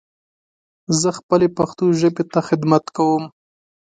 زه خپلې پښتو ژبې ته خدمت کوم.